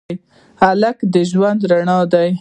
هلک د ژوند رڼا ده.